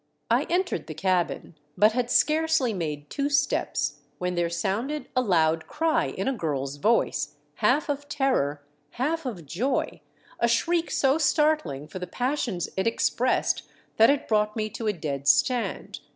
I entered the cabin, but had scarcely made two steps when there sounded a loud cry in a girl's voice, half of terror, half of joy ; a shriek so startling for the passions it ex pressed that it brought me to a dead stand.